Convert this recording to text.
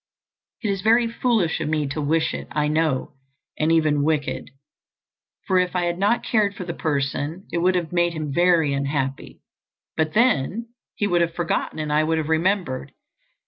It is very foolish of me to wish it, I know, and even wicked—for if I had not cared for the person it would have made him very unhappy. But then, he would have forgotten and I would have remembered.